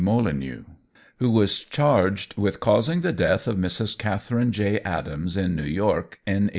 Molineux, who was charged with causing the death of Mrs. Catherine J. Adams in New York in 1899.